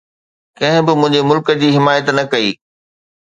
ڪنهن به منهنجي ملڪ جي حمايت نه ڪئي.